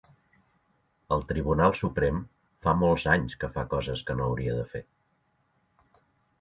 El Tribunal Suprem fa molts anys que fa coses que no hauria de fer.